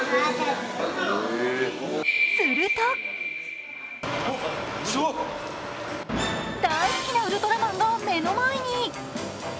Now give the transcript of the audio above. すると大好きなウルトラマンが目の前に。